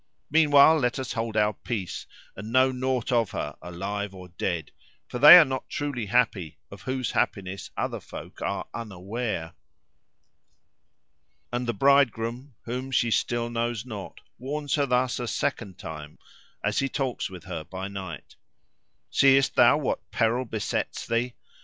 Meanwhile let us hold our peace, and know naught of her, alive or dead. For they are not truly happy of whose happiness other folk are unaware." And the bridegroom, whom still she knows not, warns her thus a second time, as he talks with her by night: "Seest thou what peril besets thee?